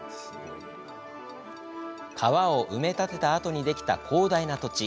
川を埋め立てたあとにできた広大な土地。